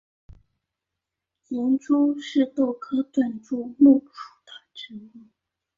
银珠是豆科盾柱木属的植物。